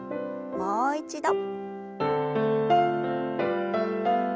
もう一度。